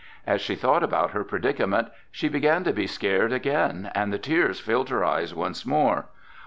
As she thought about her predicament, she began to be scared again and the tears filled her eyes once more.